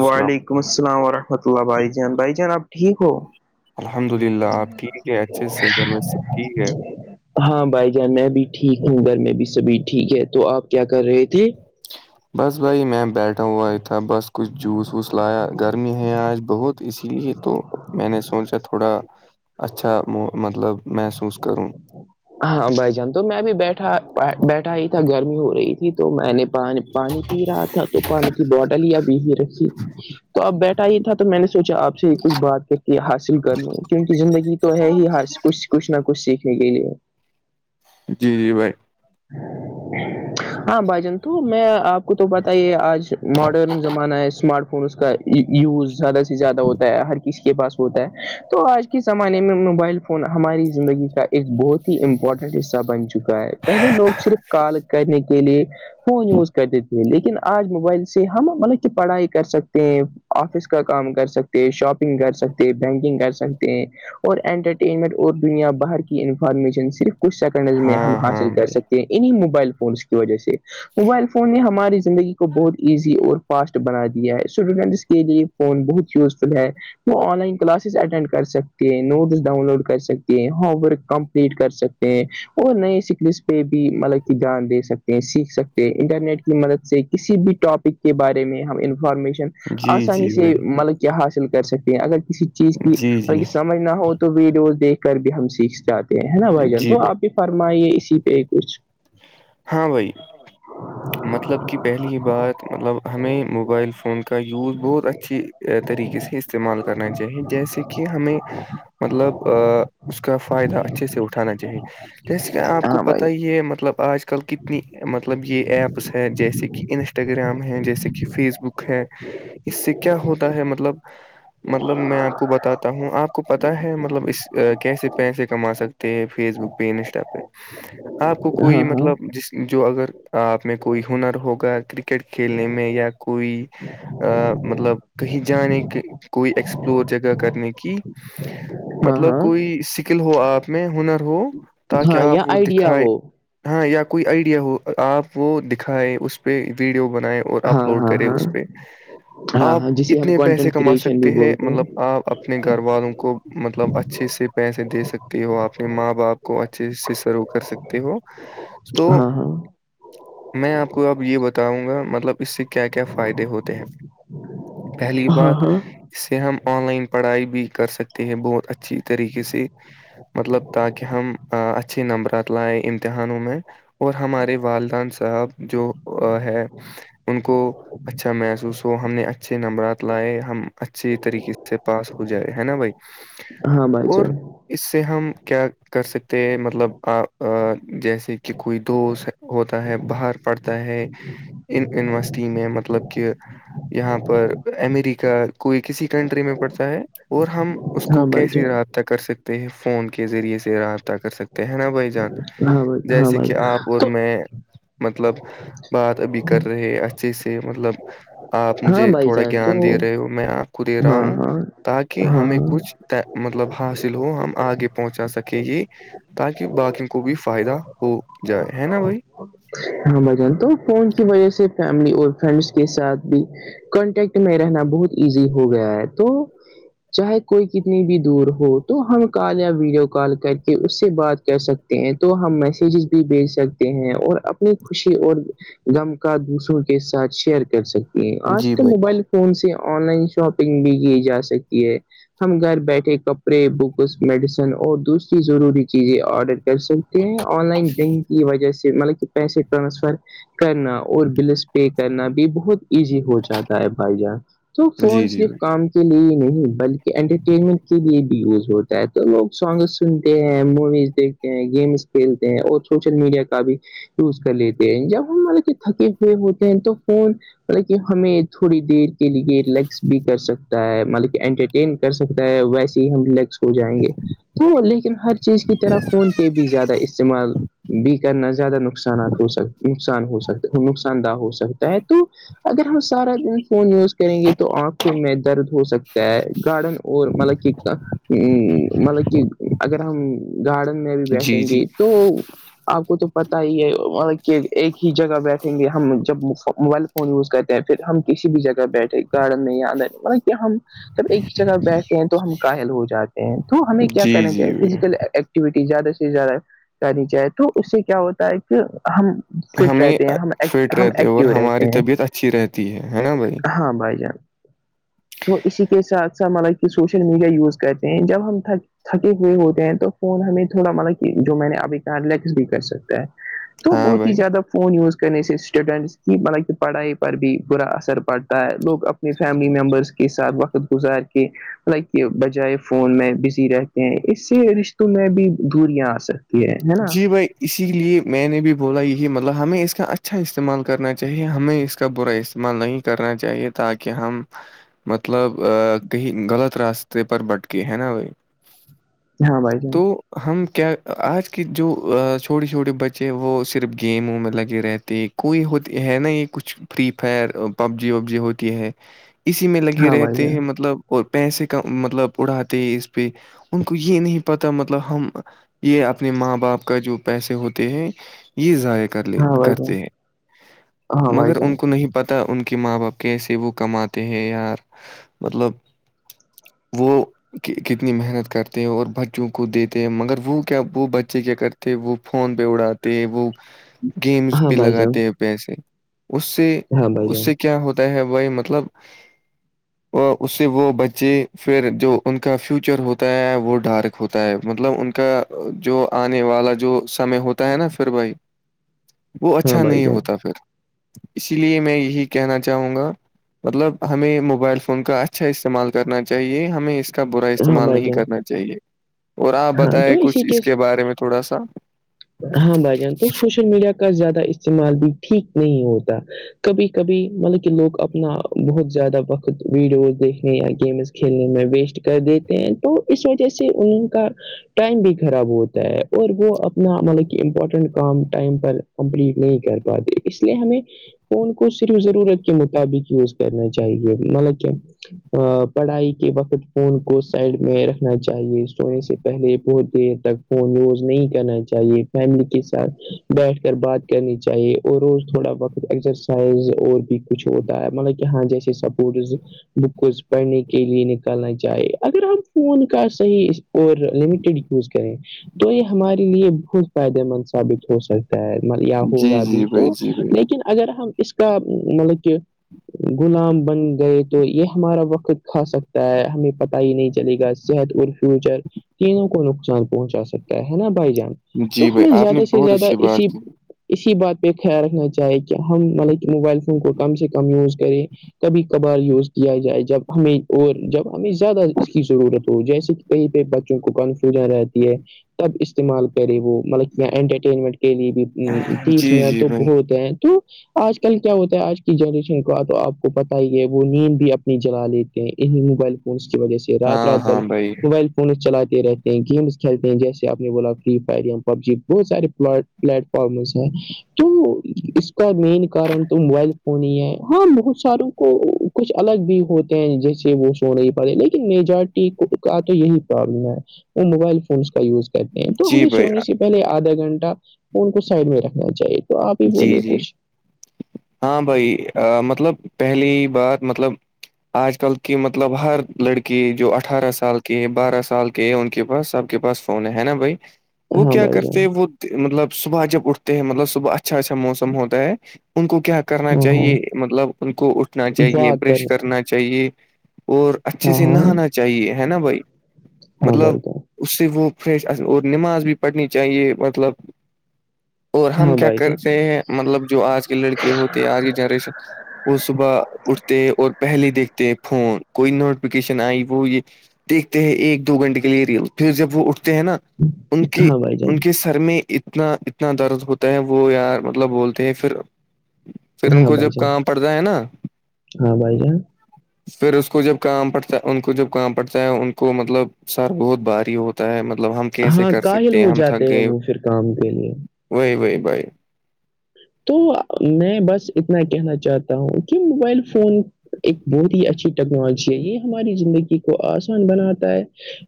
السلام وعلیکم السلام ورحمۃ اللہ بھائی جان بھائی جان آپ ٹھیک ہو الحمد للہ آپ ٹھیک ہے اچھے سے گھر میں سب ٹھیک ہے [unintelligible] ہاں بھائی جان میں بھی ٹھیک ہوں گھر میں بھی سبھی ٹھیک ہے تو آپ کیا کر رہے تھے بس بھائی میں بیٹھا ہوا ہی تھا بس کچھ جوس وس لایا گرمی ہے آج بہت اسی لیے تو میں نے سوچا تھوڑا اچھا مطلب محسوس کروں ہاں بھ جان تو میں بھی بیٹھا بیٹھا ہی تھا گرمی ہو رہی تھی تو میں نے پانی پی رہا تھا تو پانی کی بوٹل ہی ابھی ہی رکھی تو اب بیٹھا ہی تھا تو میں نے سوچا آپ سے کچھ بات کر کے حاصل کر لوں کیونکہ زندگی تو ہے ہی کچھ کچھ نہ کچھ سیکھنے کے لیے جی جی بھائی ہاں بھائی جان تو میں آپ کو تو پتاہی ہے آج ماڈرن زمانہ ہے اسمارٹ فون اس کا یوز زیادہ سے زیادہ ہوتا ہے ہر کسی کے پاس ہوتا ہے تو آج کل اج کے زمانے میں موبائل فون ہماری زندگی کا ایک بہت ہی امپورٹنٹ حصہ بن چکا ہے پہلے لوگ صرف کال کرنے کے لیے فون یوز کر دیتے ہے لیکن آج موبائل سے ہم مطلب کہ پڑھائی کر سکتے ہیں آفس کا کام کر سکتے شاپنگ کر سکتے بینکنگ کر سکتے ہیں اور انٹرٹینمنٹ اور دنیا باہر کی انفارمیشن صرف کچھ سیکنڈز میں ہم ہاں ہاں حاصل کر بھائی انہی موبائل فونس کی وجہ سے موبائل فون نے ہماری زندگی کو بہت ایزی اور فاسٹ بنا دیا ہے اسٹوڈنٹس کے لیے فون بہت یوزفل ہے وہ آن لائن کلاسز اٹینڈ کر سکتے ہیں نوٹس ڈاؤن لوڈ کر سکتے ہیں ہوم ورک کمپلیٹ کر سکتے وہ نہیں س بھی مطلب کی جھیان دے سکتے ہیں سیکھ سکتے ہیں انٹرنیٹ کی مدد سے کسی بھی ٹاپک کے بارے میں ہم انفارمیشن جی آسانی جی سے بھائی مطلب کیا حاصل کر سکتے ہیں اگر کسی چیز کی جی جی جھ نہ ہو تو ویڈیوز دیکھ کر بھی ہم سیکھ جاتے ہیں نا بھائی جان تو آپ بھی فرمائیے اسی یہی کچھ ہاں بھائی [unintelligible] مطلب کہ پہلی بات مطلب ہمیں موبائل فون کا یوز بہت اچھی طریقے سے استعمال کرنا چاہیے جیسے کہ ہمیں مطلب اس کا فائدہ اچھے سے اٹھانا چاہیے جیسے کہ آپ کو ہاں بھائی پت جان ہی ہے مب آج کل کتنی مطلب یہ ایپس ہیں جیسے کہ انسٹاگرام ہے جیسے کہ فیس بک ہے اس سے کیا ہوتا ہے مطلب مطلب میں آپ کو بتاتا ہوں آپ کو پتا ہے مطلب اس کیسے پیسے کما سکتے ہیں فیس بک پین اسٹیپ ہے آپ کو کوئی ہاں ہاں مطلب جس جو اگر آپ میں کوئی ہنر ہوگا کرکٹ کھیلنے میں یا کوئی مطلب کہیں جانے کی کوئی ایکسپلور جگہ کرنے کی ہاں مطلب ہاں کوئی سکل ہو آپ میں ہنر ہو تاکہ ہاں یا آپ وہ آئیڈیا دکھائے ہو ہاں یا کوئی آئیڈیا ہو آپ وہ دکھیں اس پہ ویڈیو بنائے اور اپ ہاں لوڈ ہاں کرے ہاں اس پہ ہاں آپ ہاں جسے ہم اتنے پیسے کنٹینٹ کما کریشن بھی سکتے ہیں بولتے مطلب آپ اپنے گھر والوں کو مطلب اچھے سے پیسے دے سکتے ت وہ اپنے ماں باپ کو اچھے سے شرو کر سکے ہو تو ہاں ہاں میں آپ کو اب یہ بتاؤں گا مطلب اس سے کیا کیا فائدے ہوتے ہیں پہلی ہاں بات ہاں اس سے ہم آن لائن پڑھائی بھی کر سکتے ہیں بہت اچھی طریقے سے مطلب تاکہ ہم اچھے نمبرات لائے امتحانوں میں اور ہمارے والدین صاحب جو ہے ان کو اچھا محسوس ہو ہم نے اچھے نمبرات لائے ہم اچھے طریقے سے پاس ہو جائے ہے نا بھائی ہاں بھائی چ اور اس سے ہم کیا کر سکتے ہیں مطلب آ جیسے کہ کوئی دوست ہوتا ہے باہر پڑھتا ہے ان یونیورسٹی میں مطلب کہ یہاں پر امریکا کوئی کسی کنٹری میں پڑتا ہے اور ہم اس کو ہاں بھائی کیسے جان رابطہ کر سکتے ہیں فون کے ذریعے سے رابطہ کر سکتے ہیں نا بھائی جان ہاں بھائی ہاں جیسے بھائی کہ آپ ا میں مطلب بات ابھی کر رہے اچھے سے مطلب آپ مجھے ہاں بھائی تھوڑا جان تو گیان دے رہے ہو میں آپ کو دے رہا ہاں ہوں ہاں تاکہ ہاں ہمیں ہاں کچھ مطلب حاصل ہو ہم آگے پہنچا سکیں گے تاکہ باقی کو بھی فائدہ ہو جائے ہے نا بھائی ہاں بجن تو فون کی وجہ سے فیملی اور فرینڈس کے ساتھ بھی کانٹیکٹ میں رہنا بہت ایزی ہو گیا ہے تو چاہے کوئی کتنی بھی دور ہو تو ہم کال یا ویڈیو کال کر کے اس سے بات کر سکتے ہیں تو ہم میسجز بھی بھیج سکتے ہیں اور اپب اپنی خوشی اور غم کا دوسروں کے ساتھ شیئر کر سکتی ہیں آج جی کل بھائی موبائل کون سی آن لائن شاپنگ بھی کی جا سکتی ہے ہم گھر بیٹھے کپڑے بکس میڈیسن اور دوسری ضروری چیزیں آڈر کر سکتے ہیں آن لائن بینک کی وجہ سے مطلب کہ پیسے ٹرانسفر کرنا اور بلس پے کرنا بھی بہت ایزی ہو جاتا ہے بھائی جان تو فون جی جی صرف بھائی کام کے لیے نہیں بلکہ انٹرٹینمنٹ کے لیے بھی یوز ہوتا ہے تو لوگ سانگ سنتے ہیں موویز دیکھ گیمس کھیلتے ہیں اور سوشل میڈیا کا بھی یوز کر لیتے ہیں جب ہم مارے کے تھکے ہوئے ہوتے ہیں تو فون مطلب کہ ہمیں تھوڑی دیر کے لیے رلیکس بھی کر سکتا ہے مطلب کہ انٹرٹین کر سکتا ہے ویسے ہی ہم لگ ہو جائیں گے تو لیکن ہر چیز کی طرح فون پ بھی زیادہ استعمال بھی نہ زیادہ نقصانات ہو سک نقصان ہو سکتا نقصان دہ ہو سکتا ہے تو اگر ہم سارا دن فون یوز کریں گے تو آنکھوں میں درد ہو سکتا ہے گارڈن اور مطلب کہ ہ مطلب کہ اگر ہم گارڈن میں بھی بیٹھیں جی جی گے تو آپ کو تو پتا ہی ہے کہ ایک ہی جگہ بیٹھیں گے ہم جب موبائل فون یوز کرتے ہیں پھر ہم کسی بھی جگہ بیٹھیں گے ک نہیں آیادر مط کہ ہم جب ایک جگہ بیٹھتے ہیں تو ہم کاائل ہو جاتے ہیں تو ہمیں کیا جی کرنا چاہیے جی بھائی فزیکل ایک ایکٹیوٹی زیادہ سے زیادہ کری جائے تو اس سے کیا ہوتا ہے کہ ہم فٹ ہمیں رہتے ہیں ہم ایک فٹ ہم رہتے اور ایکٹو ہماری رہتے ہیں طبیعت اچھی رہتی ہے ہے نا بھائی ہاں بھائی جان تو اسی کے ساتھ ساتھ مطلب کہ سوشل میڈیا یوز کرتے ہیں جب ہم تھک تھکے ہوئے ہوتے ہیں تو فون ہمیں تھوڑا مطلب کہ جو میں نے ابھی کہاں ریلیکس بھی کر سکتا ہے تو ہاں بہت ہی بھائی زیادہ فون یوز کرنے سے اسٹوڈنٹس کی بطلب کہ پڑھائی پر بھی برا اثر پڑتا ہے لوگ اپنی فیملی ممبرس کے ساتھ وقت گزار کے لائک یہ بجائے فون میں بزی رہتے ہیں اس سے رشتوں میں بھی دوریاں آ سکتی ہیں جی بھائی اسی لیے میں نے بھی بولا یہی مطلب ہمیں اس کا اچھا استعمال کرنا چاہیے ہمیں اس کا برا استعمال نہیں کرنا چاہیے تاکہ ہم مطلب کہیں غلط راستے پر بٹکے ہے نا وہائی ہاں بھائی جان تو ہم کیا آج کہ جو چھوٹے چھوٹے بچے ہیں وہ صرف گیم وم میں لگے رہتے ہیں کوئی ہوتی ہے نا یہ کچھ فری فائر پب جی وب جی ہوتی ہے اسی میں لگے ہاں بھائی رہتے جان ہیں مطلب اور پیسے کا مطلب اڑھاتے ہیں اس پہ ان کو یہ نہیں پتا مطلب ہم یہ اپنے ماں باپ کا جو پیسے ہوتے ہیں یہ ضائق کر ل ہاں بھائی جان کرتے ہیں ہاں بھائی مگر ان جان کو نہیں پت ان کی ماں باپ کیسے وہ کماتے ہیں یار مطلب وہ کتنی محنت کرتے ہیں اور بچوں کو دیتے ہیں مگر وہ کیا وہ بچے کیا کرتے وہ فون پہ اڑاتے وہ گیمس ہاں پہ بھائی لگاتے جان ہیں پسے اس سے ہاں بھائی اس جان سے کیا ہوتا ہے بھائی مطلب [unintelligible] اور اس سے وہ بچے پھر جو ان کا فیوچر ہوتا ہے وہ ڈارک ہوتا ہے مطلب ان کا جو آنے والا جو سمے ہوتا ہے نا پھر بھائی وہ ہاں اچھا بھائی نہیں جان ہوتا پھر اسی لیے میں یہی کہنا چاہوں گا مطلب ہمیں موبائل فون کا اچھا استعمال کرنا چاہیے ہمیں اس اس کا برا ہاں استعمال بھائی نہیں جان کرنا چاہیے اور آپ ہاں تو بتائائے اسی کچھ اس کے بارے میں تھوڑا سا ہاں بھائی جان تو سوشل میڈیا کا زیادہ استعمال بھی ٹھیک نہیں ہوتا کبھی کبھی مطلب کہ لوگ اپنا بہت زیادہ وقت ویڈیوز دیکھنے یا گیمز کھیلنے میں ویسٹ کر دیتے ہیں تو اس وجہ سے ان کا ٹائم بھی خراب ہوتا ہے اور وہ اپ اتنا مطلب کہ امپورٹنٹ کام ٹائم پر کمپلیٹ نہیں کر پاتے اس لیے ہمیں فون کو صرف ضرورت کے مطابق یوز کرنا چاہیے مطلب کیا پڑھائی کے وقت فون کو سائڈ میں رکھنا چاہیے سونے سے پہلے بہت دیر تک فون ووز نہیں کرنا چاہیے فیملی کے ساتھ بیٹھ کر بات کرنی چاہیے اور روز تھوڑا وقت ایکسرسائز اور بھی کچھ ہوتا ہے مطلب کہ ہاں جیسے سپورٹس بکز پڑھنے کے لیے نکالنا چاہے اگر ہم فون کا صحیح اور لمیٹیڈ یوز کریں تو یہ ہمارے لیے فائدے مند ثابت ہو سکتا ہے یا جی ہوگا جی بھی تو بھائی جی بھائی لیکن اگر ہم اس مطل کے غلام بن گئے تو یہ ہمارا وقت کھا سکتا ہے ہمیں پت ہی نہیں چلے گا صحت اور فیوچر تینوں کو نقصان پہنچا سکتا ہے نا بھائی جان تو جی بھائی ہمیں آپ نے زیادہ سے بہت زیادہ اچھی بات اسی کی اسی بات پہ خیال رکھنا چاہے کہ ہم مطلب کہ موبائل فون کو کم سے کم یوز کریں کبھی کبھار یوز کیا جائے جب ہمیں اور جب ہمیں زیادہ اس کی ضرورت ہو جیسے کہیں پہ بچوں کو کنفیوژن رہتی ہے تب استعمال کرے وہ مطلب انٹرٹینمنٹ کے لیے بھی جی تیس منٹ جی تو بھائی ہوتے ہیں تو آج کل کیا ہوتا ہے آج کی جنریشن کا تو آپ کو پتہ ہی ہے وہ نیند بھی اپنی جلا لیتے ہیں انہیں موبائل اس کی وجہ سے رات ہاں رات بل ہاں بھائی موبائل فونز چلاتے رہتے ہیں گیمس کھیل ہیں جیسے آپ نے بولا فری فائر پب جی بہت سارے پ پلیٹ فارم ہو س تو اس کا مین کارن تو موبائل فون ہی ہے ہاں بہت سارو کچھ الگ بھی ہوتے ہیں جیسے وہ سو نہیں پا رہے لیکن میجارٹی کا تو یہی پرابلم ہے وہ موبائل فونس کا یوز کہتے ہیں تو جی ہمیں بھائی سونے سے پہلے آدھا گھنٹہ فون کو سائڈ میں رکھنا چاہیے تو آپ ہی جی بولے جی کچھ ہاں بھائی مطلب پہلی بات مطلب آج کل کی مطلب ہر لڑکی جو اٹھارہ سال کی بارہ سال کی ان کے پاس سب کے پاس فون ہے نا بھائی وہ ہاں کیا بھائی کرتے جان ہیں وہ مطلب صبح جب اٹھتے ہیں مطلب صبح اچ اچھا اچھا موسم ہوتا ہے ان کو کیا کرنا ہاں ہاں چاہیے مطلب ان کو اٹھنا چاہیے واہ برش کر کرنا چاہیے اور اچھے ہاں سے ہاں نہانا چاہیے ہے نا بھائی ہاں مطلب بھائی جان اس سے وہ فریش اور نماز بھی پڑھنی چاہیے مطلب اور ہم ہاں کیا بھائی جان کرتے مطلب جو آج کے لڑکے ہوتی ہیں آج کی جنریشن وہ صبح اٹھتے ہیں اور پہلے دیکھتے ہیں فون کوئی نوٹیفکیشن آئی وہ یہ دیکھتے ہیں ایک دو گھنٹے کے لیے ریل پھر جب وہ اٹھتے ہیں نا ان کے ہاں بھائی ان جان کے سر میں اتنا اتنا درد ہوتا ہے وہ وہ یار مطلب بولتے ہیں پھر پھر ان ہاں کو جب بھائی جان کہاں پڑتا ہے نا ہاں بھائی جان پھر اس کو جب کام پڑتا ہے ان کو جب کام پڑتا ہے ان کو مطلب سر بہت بھاری ہوتا ہے مطلب ہم کیسے ہاں کر کاہل سکتے ہیں ہو ہم تھک جاتے ہیں گئے وہ پھر کام کے لیے وہی وہی بھائی تو میں بس اتنا کہنا چاہتا ہوں کہ موبائل فون ایک بہت ہی اچھی ٹیکنالوجی ہے یہ ہماری زندگی کو آسان بناتا ہے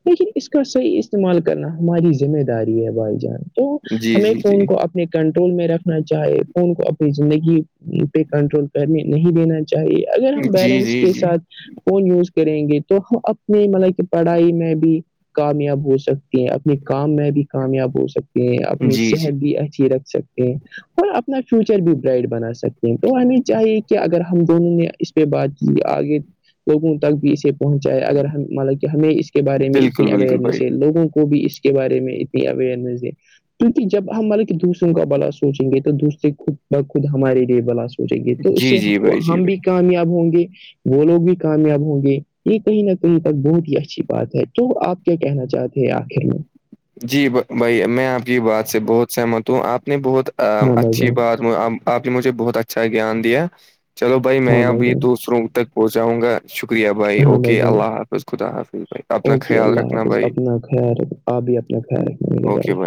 لیکن اس کا صحیح استعمال کرنا ہماری ذمہ داری ہے بھائی جان تو جی ہمیں جی فون جی کو اپنے کنٹرول میں رکھنا چاہے ون کو اپنی زندگی پہ کنٹرول کرنے نہیں دینا چاہیے اگر ہم جی بیلنس جی کے جی ساتھ فون یوز کریں گے تو ہم اپنے مطلب کہ پڑھائی میں بھی کامیاب ہو سکتے اپنے کام میں بھی کامیاب ہو سکتے ہیں اپنی جی جی صحت بھی اچھی رکھ سکتے ہیں اور اپنا فیوچر بھی برائٹ بنا سکتے ہیں تو ہمیں چاہیے کہ اگر ہم دونوں نے اس پہ بات کی آگے لوگوں تک بھی اسے پہنچاائے اگر مطلب کہ ہمیں اس کے کے بارے میں بالکل اتنی بالکل بھائی اویئرنیس ہے لگوں کو بھی اس کے بارے میں اتنی اوئرنیس ہے کیونکہ جب ہملے دوسروں کا بلا سوچیں گے تو دوسروں خود بخود ہمارے لیے بلا س ہو جائے گے تو اس جی سے جی بھائی جی ہم بھائی بھی کامیاب ہوں گے وہ لوگ بھی کامیاب ہوں گے یہ کہیں نہ کہیں تک بہت ہی اچھی بات ہے تو آپ کیا کہنا چاہتے ہیں آخر میں جی بھائی میں آپ کی بات سے بہت سہمت ہوں آپ نے بہت ہاں بھائی اچھی جان بات آپ نے مجھے بہت اچھا گیان دیا چلو بھائی ہاں میں اب جان دوسروں ب تک پہنچاؤں گا شکریہ بھائی ہاں اوکے جان اللہ حافظ خدا حافظ بھائی اپنا اوکے خیال اللہ رکھنا حافظ بھائی اپنا خیر آپ بھی اپنا خیر ہے مے اوکے ہے بھائی